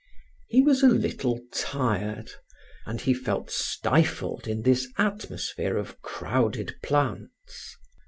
He was a little tired and he felt stifled in this atmosphere of crowded plants.